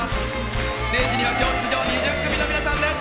ステージには今日、出場２０組の皆さんです。